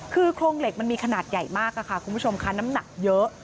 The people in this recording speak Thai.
คือโครงเหล็กมันมีขนาดใหญ่มากค่ะคุณผู้ชมค่ะน้ำหนักเยอะ